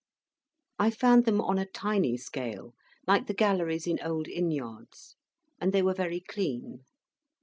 I found them on a tiny scale, like the galleries in old inn yards; and they were very clean.